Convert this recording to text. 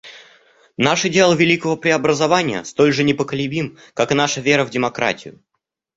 Наш идеал великого преобразования столь же непоколебим, как и наша вера в демократию.